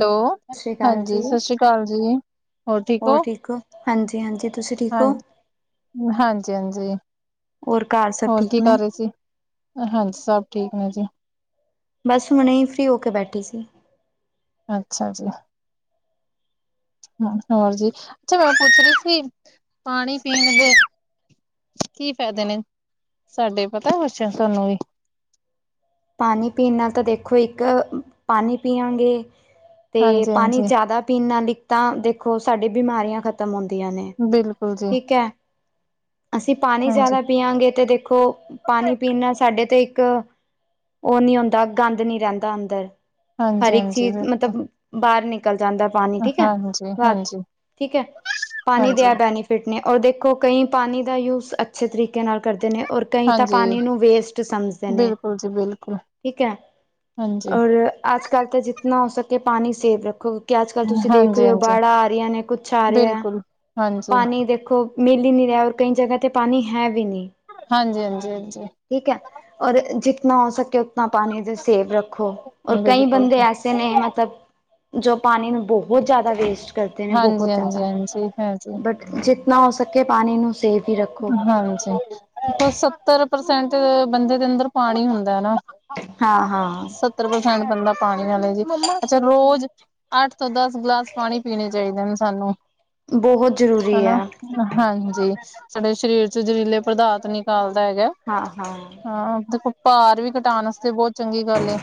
ਤੋ ਸਤਿ ਸ਼੍ਰੀ ਅਕਾਲ ਹਾਂਜੀ ਜੀ, ਸਤਿ ਸ਼੍ਰੀ ਅਕਾਲ ਜੀ। ਹੋਰ ਠੀਕ ਹੋ ਹਾਂਜੀ ਹਾਂਜੀ ਤੁਸੀਂ ਠੀਕ ਹਾਂ ਹੋ। ਹਾਂਜੀ ਹਾਂਜੀ ਹੋਰ ਘਰ ਸਭ ਹੋਰ ਠੀਕ ਕੀ ਨੇ? ਕਰ ਰਹੇ ਸੀ ਹਾਂਜੀ ਸਭ ਠੀਕ ਨੇ ਜੀ ਬਸ ਹੁਣੇ ਫਰੀ ਹੋ ਕੇ ਬੈਠੀ ਸੀ। ਅੱਛਾ ਅੱਛਾ ਹੋਰ ਜੀ ਅੱਛਾ ਮੈਂ ਪੁੱਛ ਰਹੀ ਸੀ ਪਾਣੀ ਪੀਣ ਲੱਗੇ ਕੀ ਫ਼ਾਇਦੇ ਨੇ ਸਾਡੇ ਪਤਾ ਕੁਛਿਆ ਤੁਹਾਨੂੰ ਵੀ, ਪਾਣੀ ਪੀਣ ਨਾਲ ਤਾਂ ਦੇਖੋ ਇੱਕ ਪਾਣੀ ਪਿਆਂਗੇ ਤੇ ਹਾਂਜੀ ਪਾਣੀ ਹਾਂਜੀ ਜ਼ਿਆਦਾ ਪੀਣ ਨਾ ਈਕ ਤਾਂ ਦੇਖੋ ਸਾਡੀ ਬਿਮਾਰੀਆਂ ਖਤਮ ਹੁੰਦੀਆਂ ਨੇ ਬਿਲਕੁਲ ਜੀ ਠੀਕ ਹੈ, ਅਸੀਂ ਪਾਣੀ ਹਾਂਜੀ ਜ਼ਿਆਦਾ ਪੀਆਗੇ ਤੇ ਦੇਖੋ ਪਾਣੀ ਪੀਣਾ ਨਾਲ ਸਾਡੇ ਤੇ ਇੱਕ, ਉਹ ਨੀ ਹੁੰਦਾ ਗੰਦ ਨੀ ਰਹਿੰਦਾ ਅੰਦਰ ਹਰ ਹਾਂਜੀ ਇੱਕ ਹਾਂਜੀ ਚੀਜ਼ ਬਿਲਕੁਲ ਮਤਲਬ, ਬਾਹਰ ਨਿਕਲ ਜਾਂਦਾ ਪਾਣੀ ਠੀਕ ਹੈ ਹਾਂਜੀ ਬਾਦ ਹਾਂਜੀ ਠੀਕ ਹੈ ਪਾਣੀ ਦੇ ਹਾਂਜੀ ਆ ਬੈਨੀਿਫਿਟ ਫਿੱਟ ਨੇ ਔਰ, ਦੇਖੋ ਕਈ ਪਾਣੀ ਦਾ ਯੂਜ਼ ਅੱਛੇ ਤਰੀਕੇ ਨਾਲ ਕਰਦੇ ਨੇ ਔਰ ਕਈ ਤਾਂ ਹਾਂਜੀ ਪਾਣੀ ਨੂੰ ਵੇਸਟ ਸਮਝਦੇ ਨੇ ਬਿਲਕੁਲ ਜੀ ਬਿਲਕੁਲ ਠੀਕ ਹੈ, ਹਾਂਜੀ ਔਰ ਆਜ ਕੱਲ ਤਾਂ ਜਿੱਤਨਾ ਹੋ ਸਕੇ ਪਾਣੀ ਸੇਵ ਰੱਖੋ, ਕਿ ਅੱਜ ਕੱਲ੍ਹ ਤੁਸੀਂ ਦੇਖ ਰ, ਹਾਂਜੀ ਹੇ ਹੋ ਹਾਂਜੀ ਬਾੜਾਂ ਆ ਰਹੀਆਂ ਨੇ ਕੁਛ ਆ ਰਿਹਾ ਬਿਲਕੁਲ ਹਾਂਜੀ ਪਾਣੀ ਦੇਖੋ ਮਿਲ ਹੀ ਨਹੀਂ ਰਿਹਾ ਔਰ ਕਈ ਜਗ੍ਹਾ ਤੇ ਪਾਣੀ ਹੈ ਵੀ ਨਹੀਂ, ਹਾਂਜੀ ਹਾਂਜੀ ਹਾਂਜੀ, ਠੀਕ ਹੈ ਔਰ ਜਿਤਨਾ, ਹੋ ਸਕੇ ਉਤਨਾ ਪਾਣੀ ਦੇ ਸੇਵ ਰੱਖੋ ਔਰ ਕਈ ਬਿਲਕੁਲ ਬੰਦੇ ਐਸੇ ਨੇ ਮਤਲਬ ਜੋ ਪਾਣੀ ਮ ਬਹੁ, ਬਹੁਤ ਜ਼ਿਆਦਾ ਵੇਸਟ ਕਰ, ਦੇ ਨੇ ਹਾਂਜੀ, ਬਹੁਤ ਹਾਂਜੀ, ਜ਼ਿਆਦਾ ਹਾਂਜੀ, ਹਾਂਜੀ, ਬਟ ਜਿਤਨਾ ਹੋ ਸਕੇ ਪਾਣੀ ਨੂੰ ਸੇਫ ਹਾਂਜੀ, ਦੇਖੋ ਸੱਤਰ ਪਰਸੈਂਟ ਬੰਦੇ ਦੇ ਅੰਦਰ ਪਾਣੀ ਹੁੰਦਾ ਨਾ, ਹਾਂ ਹਾਂ ਸੱਤਰ ਪ੍ਰਸੈਂਟ ਬੰਦਾ ਪਾਣੀ ਵਾਲੇ ਜੀ ਅੱਛਾ ਰੋਜ਼, ਅੱਠ ਤੋਂ ਦਸ ਗਲਾਸ ਪਾਣੀ ਪੀਣੇ ਚਾਹੀਦੇ ਨੇ ਸਾਨੂੰ, ਬਹੁਤ ਜ਼ਰੂਰੀ ਆ, ਹਨਾ ਹਾਂਜੀ ਸਾਡੇ ਸਰੀਰ ਚ ਜ਼ਹਿਰੀਲੇ ਪਦਾਰਥ ਨਿਕਾਲਦਾ ਹੈਗਾ, ਹਾਂ ਹਾਂ ਹਾਂ ਦੇਖੋ ਭਾਰ ਵੀ ਘਟਾਣ ਵਾਸਤੇ ਬਹੁਤ ਚੰਗੀ ਗੱਲ ਏ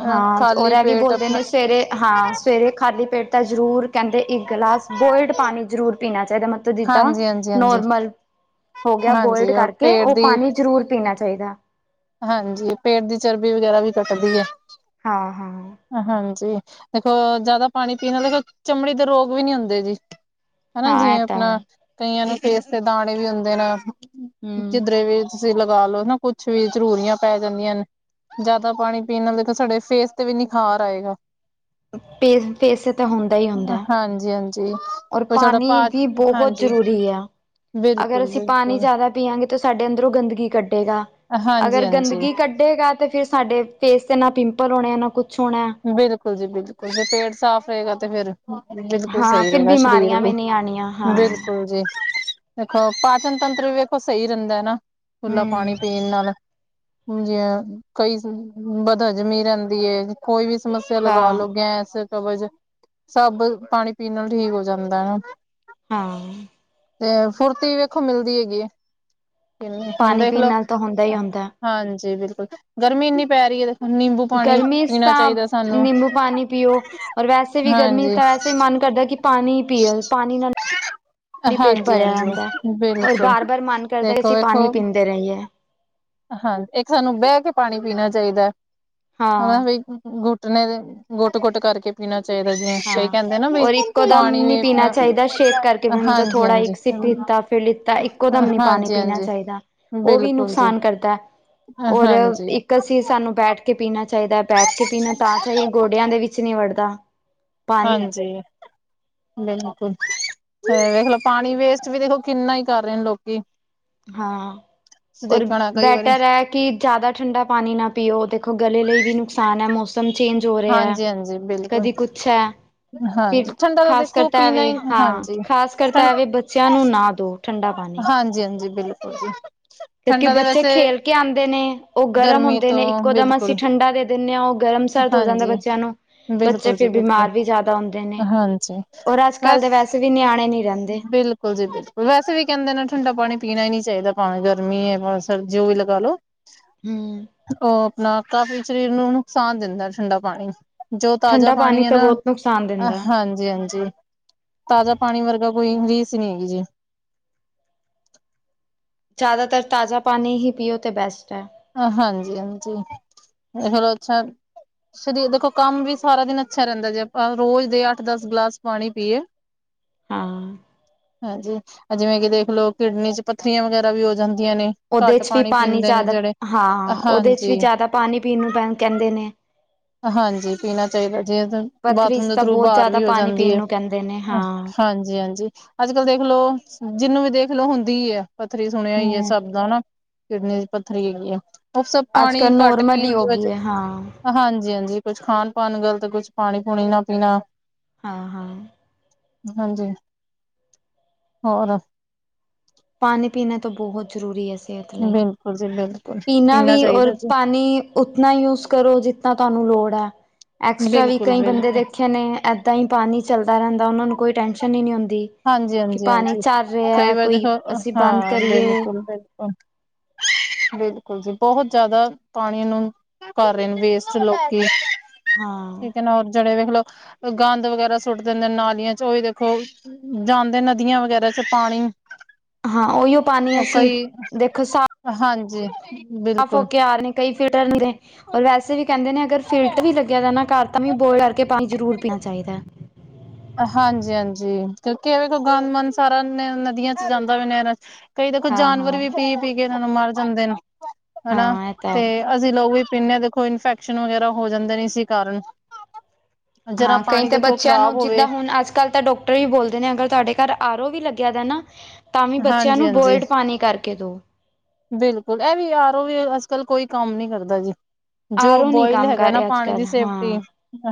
ਅ ਹਾਂ ਖਾਲੀ ਐਰ ਵੀ ਪੇਟ ਬੋਲਦੇ ਆਪਣਾ ਨੇ ਸਵੇਰੇ ਹਾਂ, ਸਵੇਰੇ ਖਾਲੀ ਪੇਟ ਤਾਂ ਜ਼ਰੂਰ ਕਹਿੰਦੇ ਇੱਕ ਗਲਾਸ ਬੋਇਲਡ ਪਾਣੀ ਜ਼ਰੂਰ ਪੀਣਾ ਚਾਹੀਦਾ ਮਤਲਬ, ਜਿੱਦਾਂ ਹਾਂਜੀ, ਹਾਂਜੀ, ਹਾਂਜੀ, ਨੋਰਮਲ ਹੋ ਗਿਆ ਹਾਂਜੀ ਬੋਇਲਡ ਕਰਕੇ ਪੇਟ ਉਹ ਦੀ ਪਾਣੀ ਜ਼ਰੂਰ ਪੀਣਾ ਚਾਹੀਦਾ ਹਾਂਜੀ ਪੇਟ ਦੀ ਚਰਬੀ ਵਗੈਰਾ ਵੀ ਘਟਦੀ ਹੈ, ਹਾਂ ਹਾਂ, ਹਾਂਜੀ ਦੇਖੋ ਜਿਆਦਾ, ਪਾਣੀ ਪੀਣਾ ਦੇਖੋ ਚਮੜੀ ਦੇ ਰੋਗ ਵੀ ਨਹੀਂੀ ਹੁੰਦੇ ਜੀ ਹਨਾ ਹਾਂ ਇਹ ਜਿਵੇਂ ਤਾਂ ਹੈ ਆਪਣਾ ਕਈਆਂ ਨੂੰ ਫੇਸ ਦੇ ਦਾਣੇ ਵੀ ਹੁੰਦੇ ਨੇ, ਹੂੰ, ਜੀਧਰੇ ਵੀ ਤੁਸੀਂ ਲਗਾ ਲੋੋ ਨਾ ਕੁੱਛ ਵੀ, ਜ਼ਰੂਰੀਆਂ ਪੈ ਜਾਂਦੀਆਂ ਨੇ ਜ਼ਿਆਦਾ ਪਾਣੀ ਪੀਣ ਨਾਲ ਦੇਖੋ ਸਾਡੇ ਫੇਸ ਤੇ ਵੀ ਨਿਖਾਰ ਆਏਗਾ, ਪੇਸ ਪੇਸੇ ਤਾਂ ਹੁੰਦਾ ਹੀ ਹੁੰਦਾ ਹਾਂਜੀ ਹਾਂਜੀ ਔਰ ਕੋਈ ਸਾਡਾ ਪਾਣੀ, ਪਾ ਵੀ ਬਹੁਤ ਹਾਂਜੀ ਜ਼ਰੂਰੀ ਆ ਅਗਰ ਬਿਲਕੁਲ ਅਸੀਂ ਪਾਣੀ ਬਿਲਕੁਲ ਜ਼ਿਆਦਾ, ਪੀੀਆਂਗੇ ਤਾਂ ਸਾਡੇ ਅੰਦਰੋਂ ਗੰਦਗੀ ਕੱਢੇਗਾ ਹਾਂਜੀ ਅਗਰ ਹਾਂਜੀ ਗੰਦਗੀ ਕਡੇ ਕੱਢੇਗਾ ਤੇ ਫਿਰ ਸਾਡੇ ਫੇਸ ਤੇ ਨਾ ਪਿੰਪਲ ਹੋਣੇ ਆ ਨਾ ਕੁੱਛ ਹੋਣਾ, ਬਿਲਕੁਲ ਜੀ ਬਿਲਕੁਲ ਜੇ ਪੇਟ ਸਾਫ਼ ਰਹੇਗਾ ਤੇ ਫੇਿਰ, ਬਿਲਕੁਲ ਹਾਂ, ਸਹੀ ਫਿਰ ਰਹੇਗਾ ਸਰੀਰ ਬਿਮਾਰੀਆਂ ਵੀ ਨਹੀਂ ਆਣੀਆਂ ਹਾਂ, ਬਿਲਕੁਲ ਜੀ, ਦੇਖੋ ਪਾਚਨ ਤੰਤਰ ਵੀ ਵੇਖੋ ਸਹੀ ਰਹਿੰਦਾ ਨਾ ਖੁੱਲਾ ਪਾਣੀ ਹੂੰ, ਪੀਣ ਨਾਲ, ਜਾ ਕਈ ਬਦ ਹਜਮੀ ਰਹਿੰਦੀ ਹੈ, ਕੋਈ ਵੀ ਸਮੱਸਿਆ ਲਗਾ ਹਾਂ। ਲੋ ਗੈਸ, ਕਵਜ ਸਭ ਪਾਣੀ ਪੀਣ ਨਾਲ ਠੀਕ ਹੋ ਜਾਂਦਾ ਹਨ ਨਾ, ਹਾਂ ਤੇ ਫੁਰਤੀ ਵੇਖੋ ਮਿਲਦੀ ਹੈਗੀ ਆ, ਕਿ ਹੁਣ ਪਾਣੀ ਪੀਣ ਦੇਖਲੋ, ਨਾਲ ਤਾਂ ਹੁੰਦਾ ਹੀ ਹੁੰਦਾ ਹਾਂਜੀ ਬਿਲਕੁਲ, ਗਰਮੀ ਏਨੀ ਪੈ ਰਹੀ ਆ, ਦੇਖੋ ਨਿੰਬੂ ਪਾਣੀ ਗਰਮੀ ਚ ਪੀਣਾ ਤਾਂ ਚਾਹੀਦਾ ਸਾਨੂੰ ਨਿੰਬੂ ਪਾਣੀ ਪੀਓ, ਔਰ ਵੈਸੇ ਵੀ ਗਰਮੀ ਹਾਂਜੀ ਤਾਂ ਵੈਸੇ ਵੀ ਮਨ ਕਰਦਾ ਕਿ ਪਾਣੀ ਪੀਓ ਪਾਣੀ ਨਾਲ ਲਈ ਪੇਟ ਹਾਂਜੀ ਭਰਿਆ ਜਾਂਦਾ -ਹਾਂਜੀ ਔਰ ਬਿਲਕੁਲ ਬਾਰ ਬਾਰ ਮਨ ਕਰਦਾ ਦੇਖੋ ਅਸੀਂ ਵੇਖੋ, ਪਾਣੀ ਪੀਂਦੇ ਰਹੀਏ ਹਾਂ ਇੱਕ ਸਾਨੂੰ ਬੈਹ ਕੇ ਪਾਣੀ- ਪੀਣਾ ਚਾਈਦਾ ਹਨਾ ਹਾਂ ਵਈ ਗੁੱਟਣੇ ਦੇ ਗੋਟ-ਗੋਟ ਕਰਕੇ ਪੀਣਾ ਚਾਹੀਦਾ, ਜਿਵੇਂ ਕਈ ਹਾਂ ਕਹਿੰਦੇ ਨਾ, ਬ ਔਰ ਇੱਕੋ ਦਮ ਪਾਣੀ ਨਹੀਂ ਵੀ ਪੀਣਾ ਆਪਣਾ। ਹਾਂਜੀ-ਹਾਂਜੀ। ਸਿੱਪ ਲਿੱਤਾ- ਫਿਰ ਲਿੱਤਾ, ਇੱਕੋ ਦਮ ਨੀ ਪਾਣੀ ਪੀਣਾ ਹਾਂਜੀ ਚਾਈਦਾ, ਓਹ ਵੀ ਬਿਲਕੁਲ ਜੀ ਨੁਕਸਾਨ ਕਰਦਾ। ਹਾਂਜੀ। ਕਸੀ ਸਾਨੂੰ ਬੈਠ ਕੇ ਪੀਣਾ ਚਾਹੀਦਾ, ਬੈਠ ਕੇ ਪੀਣਾ ਤਾਂ ਚਾਹੀਦਾ ਗੋਡਿਆਂ ਦੇ ਵਿੱਚ ਨਈ ਵੜਦਾ। ਪਾਣੀ ਹਾਂਜੀ। ਬਿਲਕੁਲ-ਬਿਲਕੁਲ ਤੇ ਵੇਖਲੋ ਪਾਣੀ ਵੇਸਟ ਵੀ ਦੇਖੋ ਕਿੰਨਾ ਈ ਕਰ ਰਹੇ ਨੇ ਲੋਕੀ। ਹਾਂ, ਤੁਸੀਂ ਔਰ ਦੇਖਿਆ ਹੋਣਾ ਕਈ ਵਾਰੀ ਬੈਟਰ ਐ ਕਿ ਜ਼ਾਦਾ ਠੰਡਾ ਪਾਣੀ ਨਾ ਪੀਓ, ਦੇਖੋ ਗਲੇ ਲਈ ਵੀ ਨੁਕਸਾਨ ਐ ਮੋਸ ਮ, ਚੇਂਜ ਹੋ ਰੇਆ, ਹਾਂਜੀ ਹਾਂਜੀ ਬਿਲਕੁਲ ਕਦੀ ਕੁਛ ਐ। ਫਿਰ ਹਾਂਜੀ ਠੰਡਾ ਤਾਂ ਖ਼ਾਸ ਦੇਖੋ ਕਰਤਾ ਪੀਣਾ ਆਵੇ ਹੀ ਹਾਂ, ਹਾਂਜੀ ਖ਼ਾਸ ਕਰਤਾ ਆਵੇ ਬੱਚਿਆਂ ਨੂੰ ਨਾ ਦਓ। ਹਾਂਜੀ-ਹਾਂਜੀ ਬਿਲਕੁਲ ਜੀ। ਕਿਓਕਿ ਠੰਡਾ ਦੇ ਬੱਚੇ ਵੈਸੇ ਖੇਲ ਕੇ ਆਂਦੇ ਨੇ, ਓ ਗਰਮ ਗਰਮੀ ਹੁੰਦੇ ਤੋਂ ਨੇ ਇੱਕੋ ਦਮ ਅਸੀਂ ਬਿਲਕੁਲ ਠੰਡਾ ਦੇ ਦਿੰਦੇ ਆ, ਓਹ ਗਰਮ -ਸਰਦ ਹੋ ਜਾਂਦਾ ਹਾਂਜੀ ਬੱਚੇਆਂ ਨੂੰ, ਬੱਚੇ ਬਿਲਕੁਲ ਜੀ ਫੇਰ ਬਿਲਕੁਲ ਬਿਮਾਰ ਵੀ ਜ਼ਾਦਾ ਹੁੰਦੇ ਨੇ। ਹਾਂਜੀ। ਔਰ- ਅੱਜ-ਕੱਲ੍ਹ ਦੇ ਬਸ ਵੈਸੇ ਵੀ ਨਿਆਣੇ ਨੀ ਰੇਂਦੇ। ਬਿਲਕੁਲ ਜੀ- ਬਿਲਕੁਲ ਵੈਸੇ ਵੀ ਕੇਂਦੇ ਨੇ ਠੰਡਾ ਪਾਣੀ -ਪੀਣਾ ਨਈ ਚਾਈਦਾ, ਭਾਵੇ ਗਰਮੀ ਹੈ ਭਾ ਸਰ ਜੋ ਵੀ ਲਗਾ ਲੋ। [inaudible] ਹਮ। ਓ ਆਪਣਾ ਕਾਫ਼ੀ ਸਰੀਰ ਨੂੰ ਨੁਕਸਾਨ ਦਿੰਦਾ ਠੰਡਾ ਪਾਣੀ। ਜੋ ਤਾਜ਼ਾ ਠੰਡਾ ਪਾਣੀ ਐ ਤਾਂ ਨਾ, ਬਹੁਤ ਨੁਕਸਾਨ ਦਿੰਦਾ ਹਾਂਜੀ। ਜੀ ਹਾਂਜੀ, ਤਾਜ਼ਾ ਪਾਣੀ ਵਰਗਾ ਕੋਈ ਰੀਸ ਨਈ ਹੈਗੀ ਜੀ। ਜ਼ਾਦਾਤਰ ਤਾਜ਼ਾ ਪਾਣੀ ਹੀ ਪੀਓ ਤੇ ਬੈਸਟ ਐ। ਹਾਂਜੀ-ਹਾਂਜੀ, ਹੋਰ ਅੱਛਾ ਸਰੀਰ ਦੇਖੋ ਕੰਮ ਵੀ ਸਾਰਾ ਦਿਨ ਅੱਛਾ ਰੇਂਦਾ, ਜੇ ਆਪਾਂ ਰੋਜ਼ ਦੇ ਅੱਠ- ਦਸ ਗਲਾਸ ਪਾਣੀ ਪੀਏ। [inaudible] ਹਾਂ। ਹਾਂਜੀ, ਜਿਵੇਂ ਕਿ ਦੇਖ ਲਓ ਕਿਡਨੀ ਚ' ਪੱਥਰੀਆਂ ਵਗੈਰਾ ਵੀ ਹੋ ਜਾਂਦੀਆਂ ਨੇ। ਓਦੇ ਘੱਟ ਚ' ਵੀ ਪਾਣੀ ਪੀਂਦੇ ਨੇ ਜ਼ਾਦਾ ਜਿਹੜੇ ਹਾਂ, ਓਦੇ ਚ' ਹਾਂਜੀ ਵੀ ਜ਼ਾਦਾ ਪਾਣੀ- ਪੀਣ ਨੂੰ ਪੈ ਕੈਂਦੇ ਨੇ। ਹਾਂਜੀ, ਪੀਣਾ ਚਾਈਦਾ, ਜਿਵੇ ਬਾਥਰੂਮ ਪਥਰੀਸ ਦੇ ਤਾਂ ਥਰੂ ਬਹੁਤ ਬਾਰ ਜ਼ਿਆਦਾ ਵੀ ਹੋ ਪਾਣੀ ਜਾਂਦੀ ਪੀਣ ਐ। ਨੂੰ ਕਹਿੰਦੇ ਨੇ ਹਾਂ। ਹਾਂਜੀ-ਹਾਂਜੀ। ਅੱਜ-ਕੱਲ ਦੇਖਲੋ ਜਿਨੂੰ ਵੀ ਦੇਖਲੋ ਹੁੰਦੀ ਐ, ਪੱਥਰੀ ਸੁਣਿਆ ਈ ਆ ਹੂੰ। ਸਭ ਦਾ ਹਨਾ। ਕਿਡਨੀ ਦੀ ਪੱਥਰੀ ਹੈਗੀ ਆ, ਓ ਸਭ ਅੱਜ ਪਾਣੀ ਕੱਲ੍ਹ ਘੱਟ ਨੋਰਮਲ ਪੀਣ ਹੀ ਹੋ ਦੀ ਗਈ ਵਜ ਹੈ ਹਾਂ, ਹਾਂਜੀ- ਹਾਂਜੀ ਕੁਛ ਖਾਣ- ਪਾਣ ਗ਼ਲਤ, ਕੁਛ ਪਾਣੀ- ਪੂਣੀ ਨਾ ਪੀਣਾ। ਹਾਂ- ਹਾਂ। ਹਾਂਜੀ। ਹੋਰ ਪਾਣੀ -ਪੀਣਾ ਤੋਂ ਬੋਹਤ ਜ਼ਰੂਰੀ ਐ ਜੀ। ਬਿਲਕੁਲ ਜੀ, ਬਿਲ ਪੀਨਾ ਵੀ ਔਰ ਪਾਨੀ, ਉਤਨਾ ਯੂਜ ਕਰੋ ਜਿਤਨਾ ਤੁਆਨੂੰ ਲੋੜ ਹੈ। ਐਕਸਟਰਾ ਵੀ ਬਿਲਕੁਲ ਕਈ ਬੰਦੇ ਬਿਲਕੁਲ ਦੇਖੇ ਨੇ, ਐਦਾ ਹੀ ਪਾਨੀ ਚੱਲਦਾ ਰਹਿੰਦਾ ਉਹਨਾਂ ਨੂੰ ਕੋਈ ਟੈਂਸ਼ਨ ਹੀ ਨਹੀਂ ਹੁੰਦੀ। ਹਾਂਜੀ- ਕਿ ਹਾਂਜੀ ਪਾਣੀ -ਹਾਂਜੀ ਚੱਲ ਕਈ ਰਿਹਾ ਵਾਰੀ ਕੋਈ ਅਸੀਂ ਬੰਦ ਹਾਂ। ਕਰੀਏ ਬਿਲਕੁਲ- ਬਿਲਕੁਲ। ਹੱ [unintelligible] ਬਿਲਕੁਲ ਜੀ। ਬਹੁਤ ਜਿਆਦਾ ਪਾਨੀ ਨੂੰ ਕਰ ਰਹੇ ਨੇ ਵੇਸਟ ਲੋਕੀ। ਹਾਂ। ਠੀਕ ਹੈ ਓ ਜਿਹੜੇ ਵੇਖ ਲੋ। ਗੰਦ ਵਗੈਰਾ ਸੁੱਟ ਦਿੰਦੇ ਨੇ ਨਾਲੀਆਂ ਚ' ਉ ਵੀ ਦੇਖੋ। ਜਾਂਦੇ ਨਦੀਆਂ ਵਗੈਰਾ ਚ' ਪਾਣੀ ਹਾਂ। ਉਹੀਓ ਪਾਨੀ ਅਸੀਂ, ਕਈ ਦੇਖੋ ਸਾ ਹਾਂਜੀ। ਸਾਫ਼ ਹੋ ਬਿਲਕੁਲ ਕੇ ਆ ਰਹੇ ਨੇ ਕਈ ਫਿਲਟਰ ਦੇ। ਓ ਵੈਸੇ ਵੀ ਕਹਿੰਦੇ ਨੇ ਅਗਰ ਫਿਲਟਰ ਵੀ ਲੱਗਿਆ ਦਾ ਨਾ ਘਰ। ਤਾਂ ਵੀ ਬੋਇਲ ਕਰਕੇ ਪਾਨੀ ਜ਼ਰੂਰ ਪੀਨਾ ਚਾਹੀਦਾ। ਹਾਂਜੀ- ਹਾਂਜੀ ਕਿਉਂਕਿ ਏਹ ਵੇਖੋ ਗਨ ਮਨ ਸਾਰਾ ਨਦੀਆਂ ਚ ਜਾਂਦਾ ਵੀ ਨਹਰਾ ਚ ਕਈ ਦੇਖੋ ਹਾਂ ਹਾਂ। ਜਾਨਵਰ ਵੀ ਪੀ-ਪੀ ਕੇ ਮਰ ਜਾਂਦੇ ਨੇ ਹਨਾ ਹਾਂ ਇਹ ਤਾਂ ਤੇ। ਹੈ। ਅਸੀਂ ਲੋਗ ਵੀ ਪੀਂਨੇ ਹਾਂ ਦੇਖੋ ਇਨਫੈਕਸ਼ਨ ਵਗੈਰਾ ਹੋ ਜਾਂਦੇ ਨੇ ਇਸੀ ਕਾਰਨ। ਜਰਾ ਹਾਂ ਕਈ ਪਾਨੀ ਤਾਂ ਦੇਖੋ ਬੱਚਿਆਂ ਖ਼ਰਾਬ। ਨੂੰ ਹੋਵੇ ਜਿੱਦਾਂ ਹੁਣ ਅੱਜ ਕੱਲ੍ਹ ਤਾਂ ਡਾਕਟਰ ਹੀ ਬੋਲਦੇ ਨੇ ਅਗਰ ਤੁਹਾਡੇ ਘਰ ਆਰ ਓ ਵੀ ਲੱਗਿਆ ਦਾ ਨਾ। ਤਾਂ ਵੀ ਬੱਚਿਆਂ ਹਾਂਜੀ ਨੂੰ ਹਾਂਜੀ ਬੋਇਲਡ ਪਾਨੀ ਕਰਕੇ ਦੋ। ਬਿਲਕੁਲ ਇਹ ਵੀ ਆਰੋ ਵੀ ਅੱਜਕਲ ਕੋਈ ਕੰਮ ਨੀ ਕਰਦਾ ਜੀ। ਜੋ ਆਰ ਓ ਨਹੀਂ ਬੋਇਲ ਕੰਮ ਹੈਗਾ ਕਰ ਨਾ ਰਿਹਾ ਅੱਜ ਪਾਣੀ ਕੱਲ ਦੀ ਸੇਫਟੀ। ਹਾਂ।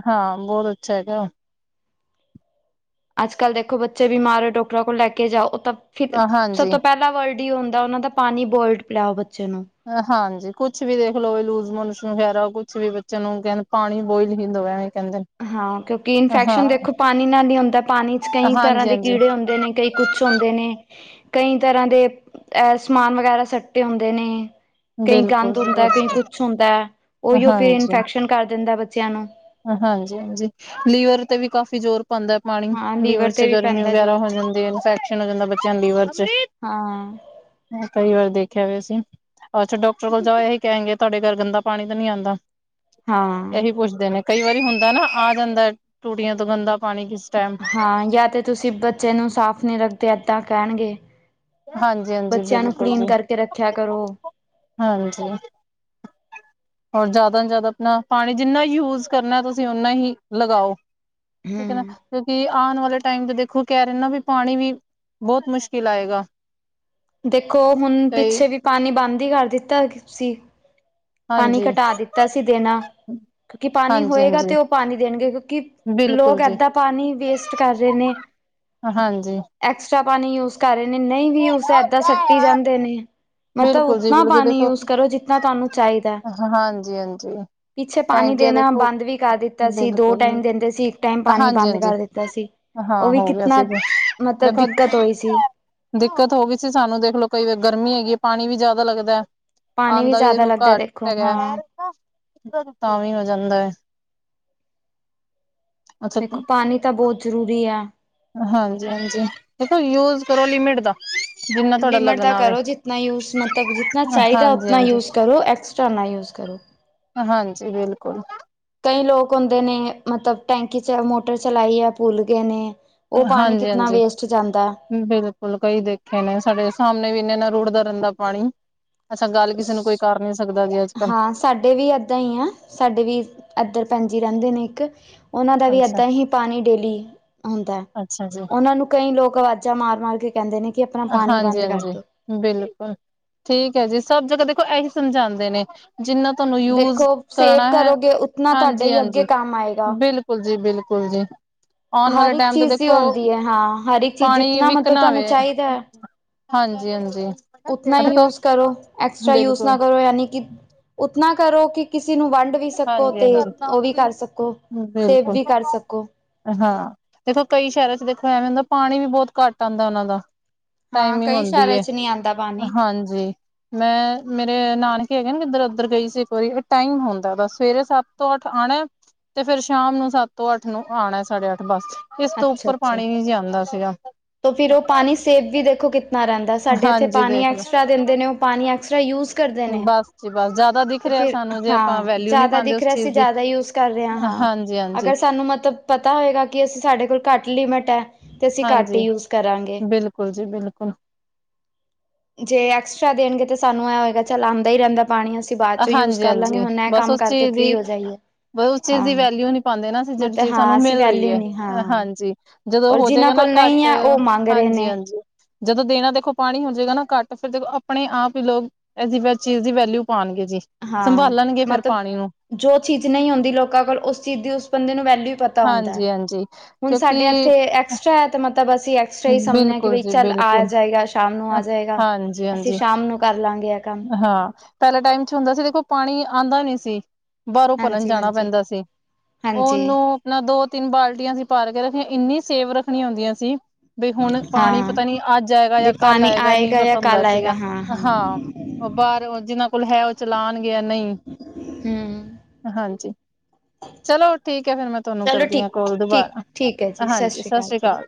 ਹਾਂ। ਬੋਤ ਅੱਛਾ ਹੈਗਾ। ਅੱਜ ਕੱਲ੍ਹ ਦੇਖੋ ਬੱਚੇ ਬਿਮਾਰ ਹੋ। ਡਾਕਟਰਾਂ ਕੋਲ ਲੈ ਕੇ ਜਾਓ ਉਹ ਤਾਂ ਫਿਰ ਸਭ ਹਾਂਜੀ, ਤੋਂ ਪਹਿਲਾਂ। ਪਹਿਲਾ ਵਰਡ ਹੀ ਹੋਦਾ ਉਹਨਾਂ ਦਾ ਪਾਨੀ ਬੋਇਲਡ ਪੀਲਾ ਓ ਬੱਚੇ ਨੂੰ। ਹਾਂਜੀ ਕੁਛ ਵੀ ਦੇਖ ਲੋੋ ਲੂਜ਼ਮੋਸ਼ਨ ਵਗੈਰਾ ਕੁੱਛ ਵੀ ਬੱਚਿਆਂ ਨੂੰ ਕਹਿੰਦੇ ਪਾਣੀ। ਬੋਇਲ ਹੀ ਦੋ ਐਵੇਂ ਕਹਿੰਦੇ ਨੇ। ਹਾਂ ਕਿਉਂਕਿ ਹਾਂ ਇਨਫੈਕਸ਼ਨ ਦੇਖੋ ਪਾਨੀ ਨਾਲ ਹੀ ਹੁੰਦਾ ਪਾਨੀ ਚ ਕਈ ਤਰ੍ਹਾਂ ਦੇ ਹਾਂਜੀ-ਹਾਂਜੀ ਕੀੜੇ ਹੁੰਦੇ ਨੇ ਕਈ ਕੁਛ। ਕੁਛ ਹੁੰਦੇ ਨੇ ਕਈ ਤਰ੍ਹਾਂ ਦੇ ਅ ਸਮਾਨ ਵਗੈਰਾ ਸੱਟੇ ਹੁੰਦੇ ਨੇ। ਕਈ ਬਿਲਕੁਲ ਗੰਦ ਜੀ ਹੁੰਦਾ ਕਈ ਬਿਲਕੁਲ ਕੁਛ ਹੁੰਦਾ ਉਹੀਓ ਫੇਰ ਹਾਂਜੀ, ਇਨਫੈਕਸ਼ਨ ਕਰ ਦਿੰਦਾ ਬੱਚਿਆਂ ਨੂੰ। ਹਾਂਜੀ-ਹਾਂਜੀ ਲੀਵਰ ਤੇ ਵੀ ਕਾਫ਼ੀ ਜੋਰ। ਪਾਂਦਾ ਪਾਣੀ ਹਾਂ ਲੀਵਰ ਚ ਤੇ ਵੀ ਗਰਮੀ ਪੈਂਦਾ ਵਗੈਰਾ ਜ਼ੋਰ ਹੋ ਜਾਂਦੀ ਹੈ। ਇਨਫੈਕਸ਼ਨ ਹੋ ਜਾਂਦਾ ਬੱਚਿਆਂ ਨੂੰ ਲੀਵਰ 'ਚ। ਹਾਂ ਕਈ ਵਾਰ ਦੇਖਿਆ ਵੈਸੇ। ਅੱਛਾ ਡਾਕਟਰ ਕੋਲ ਜਾਓ ਇਹੀ ਕਹਿਣਗੇ ਤੁਹਾਡੇ ਘਰ ਗੰਦਾ ਪਾਣੀ ਤਾਂ ਨੀ ਆਂਦਾ ਹਾਂ ਇਹੀ ਪੁੱਛਦੇ ਨੇ। ਕਈ ਵਾਰੀ ਹੁੰਦਾ ਨਾ ਆ ਜਾਂਦਾ ਟੂਟੀਆਂ ਤੋਂ ਗੰਦਾ ਪਾਨੀ ਕਿਸ ਟਾਈਮ। ਹਾਂ ਯਾਂ ਤੇ ਤੁਸੀਂ ਬੱਚੇ ਨੂੰ ਸਾਫ਼ ਨਹੀਂ ਰੱਖਦੇ ਏਦਾਂ ਕੈਣਗੇ। ਹਾਂਜੀ ਹਾਂਜੀ ਬੱਚਿਆਂ ਨੂੰ ਬਿਲਕੁਲ ਕਲੀਨ ਜੀ ਕਰਕੇ ਰੱਖਿਆ ਕਰੋ। ਹਾਂਜੀ। ਹੋਰ ਜ਼ਿਆਦਾ ਨ ਜ਼ਿਆਦਾ ਆਪਣਾ ਪਾਨੀ ਜਿੰਨਾ ਯੂਜ ਕਰਨਾ ਤੁਸੀਂ ਓਨਾ ਹੀ ਲਗਾਓ। ਠੀਕ ਹੈ ਨਾ। ਹਮ ਕਿਉਂਕਿ ਆਉਣ ਵਾਲੇ ਟਾਈਮ ਤੇ ਦੇਖੋ ਕਹਿ ਰਹੇ ਨਾ ਵੀ ਪਾਣੀ ਵੀ ਬਹੁਤ ਮੁਸ਼ਕਿਲ ਆਏਗਾ। ਦੇਖੋ ਹੁਣ ਕਈ ਪਿੱਛੇ ਵੀ ਪਾਨੀ ਬੰਦ ਹੀ ਕਰ ਦਿੱਤਾ ਸੀ। ਪਾਨੀ ਹਾਂਜੀ ਘਟਾ ਦਿੱਤਾ ਸੀ ਦੇਣਾ। ਕਿਉਂਕਿ ਪਾਨੀ ਹਾਂਜੀ ਹੋਏਗਾ ਹਾਂਜੀ ਤੇ ਉਹ ਪਾਨੀ ਦੇਣਗੇ ਕਿਉਂਕਿ। ਬਿਲਕੁਲ ਲੋਕ ਜੀ ਏਦਾਂ ਪਾਨੀ ਵੇਸਟ ਕਰ ਰਹੇ ਨੇ। ਹਾਂਜੀ। ਐਕਸਟਰਾ ਪਾਨੀ ਯੂਜ ਕਰ ਰਹੇ ਨੇ ਨਹੀਂ ਵੀ ਯੁਜ਼ ਏਦਾਂ ਸੱਟੀ ਜਾਂਦੇ ਨੇ। ਮਤਲਬ ਉਤਨਾ ਪਾਨੀ ਯੂਜ ਕਰੋ ਜਿੱਤਨਾ ਤੁਹਾਨੂੰ। ਚਾਹੀਦਾ ਹਾਂਜੀ-ਹਾਂਜੀ। ਪਿੱਛੇ ਪਾਣੀ ਦੇਣਾ ਬੰਦ ਵੀ ਕਰ ਦਿੱਤਾ ਸੀ। ਦੋ ਬਿਲਕੁਲ ਟਾਈਮ ਦਿੰਦੇ ਸੀ ਇੱਕ ਟਾਈਮ ਪਾਣੀ ਹਾਂਜੀ ਬੰਦ ਹਾਂਜੀ ਕਰ ਦਿੱਤਾ ਸੀ। ਹਾਂ ਹੋ ਗਿਆ ਸੀਗਾ। ਮਤਬ ਦਿੱਕਤ ਹੋਈ ਸੀ। ਦਿੱਕਤ ਹੋ ਗਈ ਸੀ, ਸਾਨੂੰ ਦੇਖਲੋ ਕਈ ਵਾਰ ਗਰਮੀ ਹੈਗੀ ਏ ਪਾਣੀ ਵੀ ਜਾਦਾ ਲੱਗਦਾ। ਪਾਣੀ ਆਂਦਾ ਵੀ ਜ਼ਿਆਦਾ ਦੇਖੋ ਲੱਗਦਾ ਘੱਟ ਦੇਖੋ ਹੈਗਾ। ਹਾਂ ਤਾਂ ਵੀ ਹੋ ਜਾਂਦਾ। ਅੱਛਾ ਦੇਖੋ ਪਾਣੀ ਤਾਂ ਬੋਤ ਜ਼ਰੂਰੀ ਐ। ਹਾਂਜੀ। ਹਾਂਜੀ। ਦੇਖੋ ਯੂਜ ਕਰੋ ਲਿਮਿਟ ਦਾ। ਜਿੰਨਾ ਤੁਹਾਡਾ ਲਿਮਟ ਦਾ ਲੱਗਣਾ ਵ ਕਰੋ ਜਿਤਨਾ ਯੂਜ ਮਤਬ ਜਿਤਨਾ ਚਾਈਦਾ ਹਾਂਜੀ ਉਤਨਾ ਹਾਂਜੀ ਯੂਜ ਕਰੋ। ਐਕਸ- ਝੋਨਾ ਯੂਜ ਕਰੋ। ਹਾਂਜੀ ਬਿਲਕੁਲ। ਕਈ ਲੋਕ ਹੁੰਦੇ ਨੇ ਮਤਬ ਟੈਂਕੀ 'ਚ ਮੋਟਰ ਚਲਾਈ ਆ ਭੁੱਲ ਗੇ ਨੇ। ਉਹ ਪਾਣੀ ਹਾਂਜੀ ਕਿਤਨਾ ਹਾਂਜੀ। ਵੇਸਟ ਜਾਂਦਾ ਬਿਲਕੁਲ ਕਈ ਦੇਖੇ ਨੇ, ਸਾਡੇ ਸਾਮਣੇ ਵੀ ਨੇ ਨਾ ਰੁੜਦਾ ਰੈਂਦਾ ਪਾਣੀ। ਅੱਛਾ ਗੱਲ ਕਿਸੇ ਨੂੰ ਕੋਈ ਕਰ ਨੀ ਸਕਦਾ ਜੀ ਅੱਜ ਕੱਲ੍ਹ। ਹਾਂ ਸਾਡੇ ਵੀ ਏਦਾਂ ਈ ਆ, ਸਾਡੇ ਵੀ ਐਧਰ ਭੈਣ ਜੀ ਰੈੰਦੇ ਨੇ ਇੱਕ। ਓਨਾਂ ਦਾ ਵੀ ਅੱਛਾ ਏਦਾਂ ਹੀ- ਪਾਣੀ ਡੇਲੀ ਹੁੰਦਾ। ਅੱਛਾ ਜੀ। ਐਨਾਂ ਨੂੰ ਕਈ ਲੋਕ ਅਵਾਜ਼ਾਂ ਮਾਰ ਮਾਰ ਕੇ ਕੈਂਦੇ ਨੇ ਕੀ ਆਪਣਾ ਪਾਣੀ ਬੰਦ ਕਰ ਹਾਂਜੀ-ਹਾਂਜੀ, ਦੋ। ਬਿਲਕੁਲ ਠੀਕ ਐ ਜੀ, ਸਭ ਜਗ੍ਹਾ ਦੇਖੋ ਐਹੀ ਸਮਝਾਂਦੇ ਨੇ। ਜਿੰਨਾਂ- ਤਾਨੂੰ ਯੂਜ ਦੇਖੋ ਸੇਵ ਕਰਨਾ ਹੈ। ਕਰੋਗੇ ਉਤਨਾ ਤੁਹਾਡੇ ਹਾਂਜੀ ਹੀ ਅੱਗੇ -ਹਾਂਜੀ ਕੰਮ ਆਏਗਾ ਬਿਲਕੁਲ। ਬਿਲਕੁਲ ਜੀ- ਬਿਲਕੁਲ ਜੀ। ਆਣ ਹਰ ਵਾਲੇ ਇੱਕ ਟੈਮ ਤੇ ਚੀਜ਼ ਦੀ ਦੇਖੋ ਹੁੰਦੀ ਹੈ ਹਾਂ ਹਰ ਇੱਕ ਚੀਜ਼ ਪਾਣੀ ਜਿਤਨਾ ਮਤਲਬ ਵਿਕਨਾ ਤੁਹਾਨੂੰ ਵੇ। ਚਾਹੀਦਾ ਹਾਂਜੀ ਹਾਂਜੀ। ਉਤਨਾ ਈ ਯੂਜ ਕਰੋ, ਐਕਸਟਰਾ ਯੂਜ ਨਾ ਬਿਲਕੁਲ, ਕਰੋ। ਯਾਨੀ ਕੀ- ਉਤਨਾ ਕਰੋ ਕੀ ਕਿਸੇ ਨੂੰ ਵੰਡ- ਵੀ ਸਕੋ ਤੇ ਹਾਂਜੀ-ਹਾਂਜੀ, ਓ ਵੀ ਕਰ ਸਕੋ, ਸੇਵ ਬਿਲਕੁਲ, ਵੀ ਕਰ ਸਕੋ। ਹਾਂ ਦੇਖੋ ਕਈ ਸੈ਼ਰਾਂ 'ਚ ਦੇਖੋ ਐਵੇਂ ਹੁੰਦਾ ਪਾਣੀ ਵੀ ਬੋਤ ਘੱਟ ਆਂਦਾ ਓਨਾਂ ਦਾ। ਹਾਂ ਟਾਈਮਿੰਗ ਕਈ ਹੁੰਦੀ ਸ਼ਹਿਰਾਂ ਏ, ਚ ਨਹੀਂ ਆਉਂਦਾ ਪਾਣੀ ਹਾਂਜੀ। ਮੈਂ ਮੇਰੇ ਨਾਨਕੇ ਹੈਗੇ ਕਿੱਧਰ ਓਧਰ ਗਈ ਸੀ ਇੱਕ ਵਾਰੀ। ਏ ਟਾਈਮ ਹੁੰਦ- ਦਾ ਦਾ। ਸਵੇਰੇ ਸੱਤ ਤੋਂ ਅੱਠ ਆਣਾ, ਤੇ ਫੇਰ ਸ਼ਾਮ ਨੂੰ ਸੱਤ ਤੋਂ ਅੱਠ ਨੂੰ ਆਣਾ ਸਾਢੇ ਅੱਠ ਬੱਸ। ਇਸ ਤੋਂ ਉੱਪਰ ਪਾਣੀ ਨੀ ਜੇ ਆਦਾ ਸੀਗਾ। ਤੇ ਫਿਰ ਓ ਪਾਣੀ ਸੇਵ ਵੀ ਦੇਖੋ ਕਿਤਨਾ ਰੈਂਦਾ। ਸਾਡੇ ਐਥੇ ਹਾਂਜੀ ਪਾਣੀ ਦੇਖ ਲੋ ਐਕਸਟਰਾ ਦਿੰਦੇ ਨੇ, ਓ ਪਾਣੀ ਐਕਸਟਰਾ ਯੂਜ਼- ਕਰਦੇ ਨੇ, ਬਸ ਜੀ ਬਸ ਜ਼ਿਆਦਾ ਦਿਖ ਤੇ ਰਿਹਾ ਫਿਰ ਸਾਨੂੰ ਜੇ ਆਪਾਂ ਹਾਂ ਵੈਲਿਊ ਨਹੀਂ ਜਾਦਾ ਪਾਉਂਦੇ ਦਿਖ ਉਸ ਰਿਆ ਸੀ ਚੀਜ਼ ਦੀ ਜਾਦਾ ਯੂਸ- ਕਰ ਰਿਹਾ ਹਾਂ। ਹਾਂਜੀ ਹਾਂਜੀ। ਅਗਰ ਸਾਨੂੰ ਮਤਬ ਪਤਾ ਹੋਏਗਾ ਕਿ ਅਸੀਂ ਸਾਡੇ ਕੋਲ ਘੱਟ ਲਿਮਿਟ ਐ, ਤੇ ਅਸੀਂ ਘੱਟ- ਘੱਟ ਹਾਂਜੀ ਯੂਜ ਕਰਾਂਗੇ। ਬਿਲਕੁਲ ਜੀ ਬਿਲਕੁਲ ਜੇ ਐਕਸਟਰਾ ਦੇਣਗੇ ਤਾਂ ਸਾਨੂੰ ਐ ਹੋਏਗਾ ਚੱਲ ਆਂਦਾ ਈ ਰੈਂਦਾ ਪਾਣੀ। ਅਸੀਂ- ਅਸੀਂ ਬਾਦ ਚੋਂ ਯੂਜ ਹਾਂਜੀ ਕਰ ਲਾਂਗੇ, ਹੁਣ ਐ ਕੰਮ ਕਰਕੇ ਫ੍ਰੀ ਹੋ ਜਾਈਏ। ਬ ਉਸ ਚੀਜ਼ ਹਾਂ ਦੀ ਵੈਲਿਊ ਨੀ ਪਾਂਦੇ ਨਾ, ਜੇੜੀ ਮਤਲਬ ਚੀਜ਼ ਹਾਂ ਸਾਨੂੰ ਅਸੀਂ ਮਿਲ ਰ‌ਈ ਵੈਲਿਊ ਐ। ਨਹੀਂ ਹਾਂ ਹਾਂਜੀ ਜਦੋਂ ਔਰ ਹੋ ਜਿਨਾਂ ਜੇਗਾ ਨਾ- ਕੋਲ ਨਹੀਂ ਘੱਟ, ਹੈ ਉਹ ਮੰਗ ਰਹੇ ਹਾਂਜੀ ਨੇ ਹਾਂਜੀ। ਜਦੋਂ ਦੇਣਾ ਦੇਖੋ ਪਾਣੀ ਹੋ ਜੇਗਾ ਨਾ ਘੱਟ, ਫੇਰ ਦੇਖੋ ਆਪਣੇ ਆਪ ਈ ਲੋਕ ਐਸ ਦੀ ਚੀਜ਼ ਦੀ ਵੈਲਿਊ- ਪਾਣਗੇ ਜੀ। ਹਾਂ ਸੰਭਾਲਣਗੇ ਫੇਰ ਮਤਲਬ ਪਾਣੀ ਨੂੰ‌ ਜੋ ਚੀਜ਼ ਨ‌ਈ ਹੁੰਦੀ ਲੋਕਾਂ ਕੋਲ, ਉਸ ਚੀਜ਼ ਦੀ ਉਸ ਬੰਦੇ ਨੂੰ ਵੈਲਿਊ ਪਤਾ- ਪਤਾ ਹੁੰਦਾ। ਹਾਂਜੀ ਹਾਂਜੀ ਹੁਣ ਸਾਡੇ ਕਿਉਂਕਿ ਐਥੇ ਐਕਸਟਰਾ ਐ ਤੇ ਮਤਬ ਅਸੀਂ ਐਕਸ- ਐਕਸਟਰਾ ਈ ਸਮਣੇ ਕੀ ਬਿਲਕੁਲ ਬਈ ਜੀ ਚੱਲ ਆ ਬਿਲਕੁਲ ਜਾਏਗਾ, ਸ਼ਾਮ ਨੂੰ ਆ ਜਾਏਗਾ। ਹਾਂਜੀ ਅਸੀਂ ਹਾਂਜੀ ਸ਼ਾਮ ਨੂੰ ਕਰ ਲਾਂਗੇ ਐ। ਹਾਂ ਪਹਿਲੇ ਟਾਈਮ 'ਚ ਹੁੰਦਾ ਸੀ ਦੇਖੋ ਪਾਣੀ ਆਂਦਾ ਨੀ ਸੀ। ਬਾਰੋਂ ਭਰਨ ਹਾਂਜੀ ਜਾਣਾ ਹਾਂਜੀ ਪੈਂਦਾ ਸੀ। ਹਾਂਜੀ ਓਨੂੰ- ਨਾ ਦੋ ਤਿੰਨ ਬਾਲਟੀਆਂ ਅਸੀ ਭਰ ਕੇ ਰੱਖੀਆਂ, ਇੰਨੀ ਸੇਵ ਰੱਖਣੀਆਂ ਹੁੰਦੀਆਂ ਸੀ। ਬਈ ਹੁਣ ਪਾਣੀ ਹਾਂ ਪਤਾ ਨੀ ਅੱਜ ਆਏਗਾ ਜਾਂ ਵੀ ਕੱਲ ਪਾਣੀ ਆਏਗਾ, ਨਈ ਜਾਂ ਪਤਾ ਹੁੰਦਾ ਕੱਲ ਆਏਗਾ ਸੀਗਾ। ਹਾਂ ਹਾਂ ਓ ਬਾਰ ਜਿਨਾਂ ਕੋਲ ਹੈ ਓ ਚਲਾਣ ਗੇ ਜਾਂ ਨਈ। ਹੂੰ ਹਾਂਜੀ ਚਲੋ ਠੀਕ ਐ ਫੇਰ ਮੈਂ ਤੁਆਨੂੰ ਚਲੋ ਕਰਦੀ ਆਂ ਠੀਕ ਕੋਲ ਠੀਕ ਦੁਬਾਰਾ। ਠੀਕ ਹੈ ਜੀ ਸਤਿ ਹਾਂਜੀ ਸ਼੍ਰੀ ਅਕਾਲ ਸਾਸਰੀ ਜੀ। ਕਾਲ।